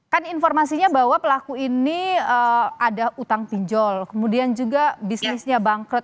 kan informasinya bahwa pelaku ini ada utang pinjol kemudian juga bisnisnya bangkrut